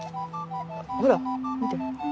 ほら見て。